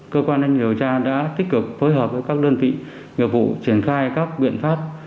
cơ quan an ninh điều tra đã tích cực phối hợp với các đơn vị nghiệp vụ triển khai các biện pháp